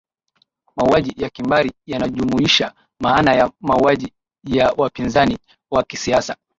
mauaji ya kimbari yanajumuisha maana ya mauaji ya wapinzani wa kisiasa